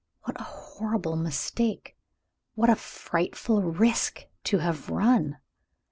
"What a horrible mistake! What a frightful risk to have run!"